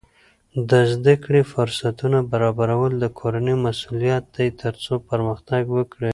د زده کړې فرصتونه برابرول د کورنۍ مسؤلیت دی ترڅو پرمختګ وکړي.